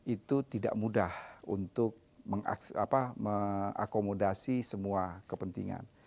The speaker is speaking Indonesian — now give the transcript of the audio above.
itu tidak mudah untuk mengakomodasi semua kepentingan